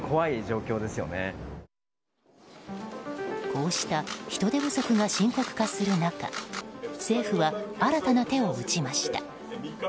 こうした人手不足が深刻化する中政府は新たな手を打ちました。